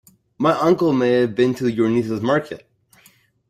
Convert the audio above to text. My uncle may have been to your niece's market.